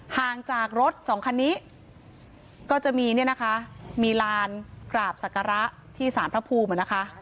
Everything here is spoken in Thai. ห่างจากรถสองคันนี้ก็จะมีเนี่ยนะคะมีลานกราบศักระที่สารพระภูมิอ่ะนะคะ